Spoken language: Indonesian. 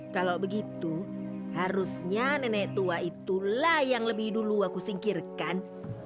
kalau begitu harusnya nenek tua itulah yang lebih dulu aku singkirkan